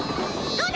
どうだ！？